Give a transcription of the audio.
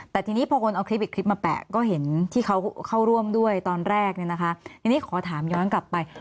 แต่ทีนี้พอคนเอาคลิปอีกคลิปมาแปะก็เห็นที่เขาเข้าร่วมด้วยตอนแรกเนี่ยนะคะทีนี้ขอถามย้อนกลับไป